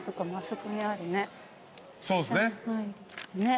そうっすね。